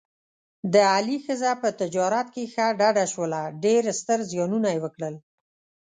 د علي ښځه په تجارت کې ښه ډډه شوله، ډېر ستر زیانونه یې وکړل.